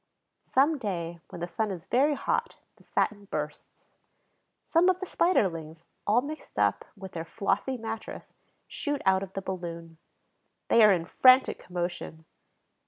Some day, when the sun is very hot, the satin bursts. Some of the Spiderlings, all mixed up with their flossy mattress, shoot out of the balloon. They are in frantic commotion.